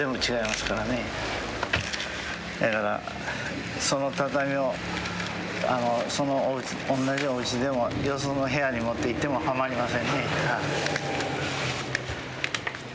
だからその畳をそのおんなじおうちでもよその部屋に持っていってもはまりませんね。